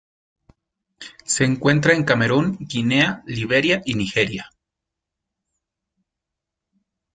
Se encuentra en Camerún, Guinea, Liberia y Nigeria.